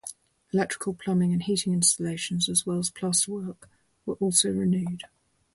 Electrical, plumbing and heating installations as well as plasterwork were also renewed.